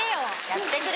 やってくれ。